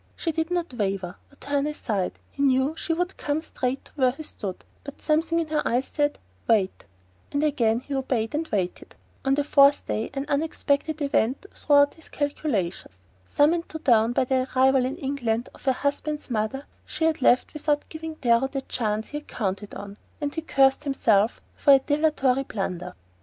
She did not waver or turn aside; he knew she would come straight to where he stood; but something in her eyes said "Wait", and again he obeyed and waited. On the fourth day an unexpected event threw out his calculations. Summoned to town by the arrival in England of her husband's mother, she left without giving Darrow the chance he had counted on, and he cursed himself for a dilatory blunderer.